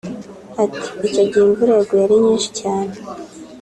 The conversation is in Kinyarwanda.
Ati “Icyo gihe imvura yaguye ari nyinshi cyane